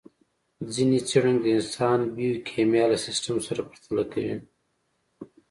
ځينې څېړونکي د انسان بیوکیمیا له سیستم سره پرتله کوي.